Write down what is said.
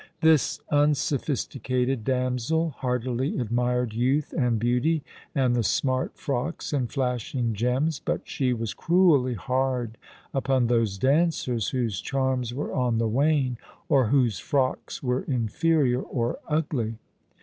This unsophisticated damsel heartily admired youth and beauty, and the smart frocks and flashing gems; but she was cruelly hard upon those dancers whose charms were on the wane, or whose frocks were inferior or ugly.